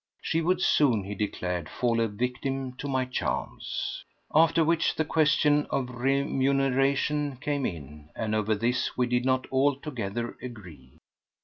She would soon, he declared, fall a victim to my charms. After which the question of remuneration came in, and over this we did not altogether agree.